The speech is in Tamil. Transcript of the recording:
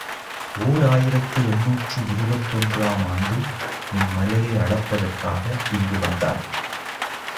ஓர் ஆயிரத்து எண்ணூற்று இருபத்தொன்று ஆம் ஆண்டு இம் மலையை அளப்பதற்காக இங்கு வந்தார்.